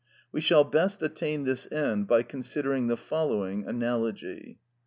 We shall best attain this end by considering the following analogy.